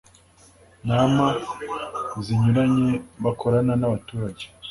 nama zinyuranye bakorana n abaturage